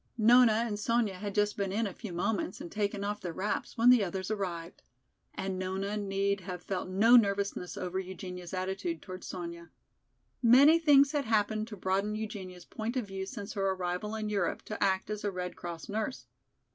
Nona and Sonya had just been in a few moments and taken off their wraps when the others arrived. And Nona need have felt no nervousness over Eugenia's attitude toward Sonya. Many things had happened to broaden Eugenia's point of view since her arrival in Europe to act as a Red Cross nurse.